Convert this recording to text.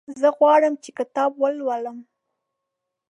زه غواړم چې کتاب ولولم.